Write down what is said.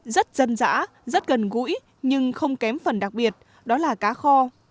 rất dân dã rất gần gũi nhưng không kém phần đặc biệt đó là cá kho